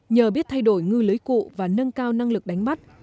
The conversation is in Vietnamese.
nhờ biết thay đổi ngư lưới cụ và nâng cao năng lực đánh bắt